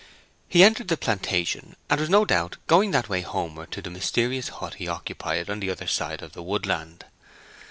He entered the plantation, and was no doubt going that way homeward to the mysterious hut he occupied on the other side of the woodland.